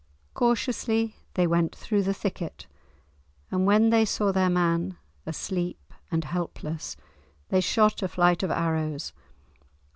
Cautiously they went through the thicket, and when they saw their man, asleep and helpless, they shot a flight of arrows.